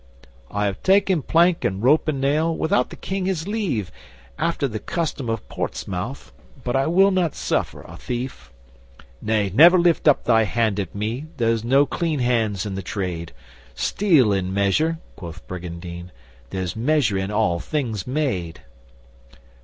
'I have taken plank and rope and nail, without the King his leave, After the custom of Portesmouth, but I will not suffer a thief. Nay, never lift up thy hand at me! There's no clean hands in the trade. Steal in measure,' quo' Brygandyne. 'There's measure in all things made!